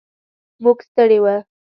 موږ ستړي و.